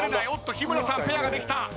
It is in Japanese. おっと日村さんペアができた。